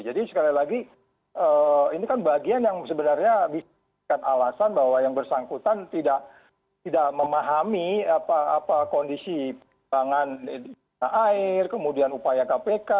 jadi sekali lagi ini kan bagian yang sebenarnya alasan bahwa yang bersangkutan tidak memahami apa kondisi perkembangan air kemudian upaya kpk